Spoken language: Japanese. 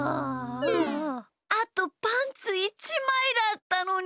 あとパンツ１まいだったのに。